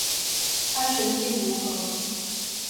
安全性如何